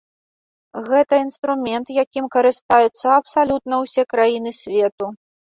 Гэта інструмент, якім карыстаюцца абсалютна ўсе краіны свету.